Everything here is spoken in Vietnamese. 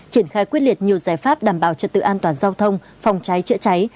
triển khai quyết liệt nhiều giải pháp đảm bảo trật tự an toàn giao thông phòng cháy chữa cháy